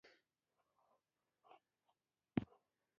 ما ته د وصال او د هجران کیسه مالومه ده